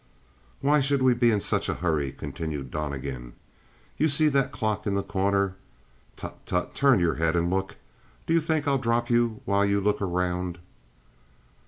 "Why should we be in such a hurry?" continued Donnegan. "You see that clock in the corner? Tut, tut! Turn your head and look. Do you think I'll drop you while you look around?"